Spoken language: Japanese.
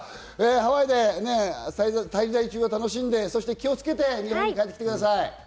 ハワイでね、滞在中は楽しんで気をつけて日本に帰ってきてください。